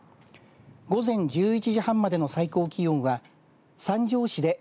午前１１時半までの最高気温は三条市で３６度